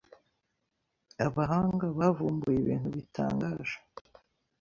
Abaganga bavumbuye ibintu bitangaje.